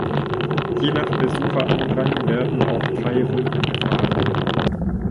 Je nach Besucherandrang werden auch drei Runden gefahren.